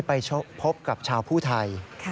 ไปพบกับชาวผู้ไทย